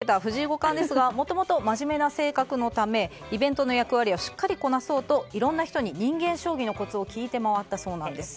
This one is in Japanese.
オファーを受けた藤井五冠ですがもともとまじめな性格のためイベントの役割をしっかりこなそうといろんな人に人間将棋のコツを聞いて回ったそうなんです。